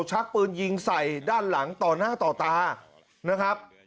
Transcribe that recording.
ชักปืนยิงใส่ด้านหลังต่อหน้าต่อตานะครับ